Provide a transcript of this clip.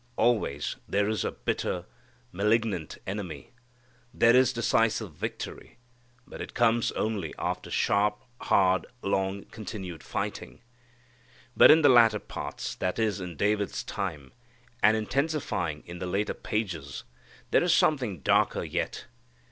Always there is a bitter, malignant enemy. There is decisive victory, but it comes only after sharp, hard, long continued fighting. But in the latter parts, that is, in David's time, and intensifying in the later pages, there is something darker yet.